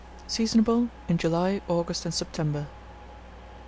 Seasonable in July, August, and September.